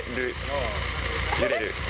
揺れる？